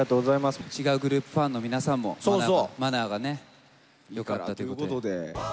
違うグループファンの皆さんのマナーがね、よかったということで。